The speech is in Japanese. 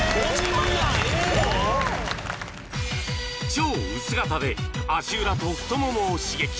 超薄型で足裏と太ももを刺激